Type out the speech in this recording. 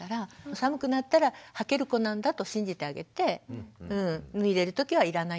寒くなったらはける子なんだと信じてあげて脱いでる時はいらないんだなと。